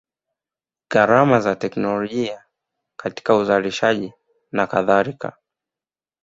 Gharama za teknolojia katika uzalishaji na kadhalika